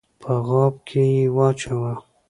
په غاب کي یې واچوه !